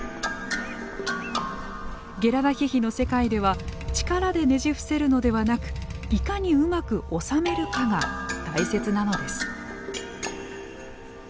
ゲラダヒヒの世界では力でねじ伏せるのではなくいかに上手くおさめるかが大切なのです。